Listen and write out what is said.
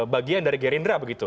bagian dari gerindra begitu